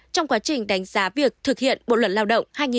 trong quá trình đánh giá việc thực hiện bộ luật lao động hai nghìn một mươi năm